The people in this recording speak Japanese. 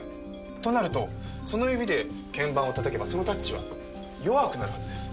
となるとその指で鍵盤をたたけばそのタッチは弱くなるはずです。